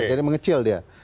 jadi mengecil dia